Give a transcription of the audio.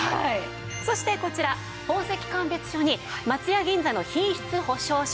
そしてこちら宝石鑑別書に松屋銀座の品質保証書